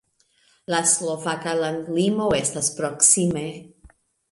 La slovaka landlimo estas proksime.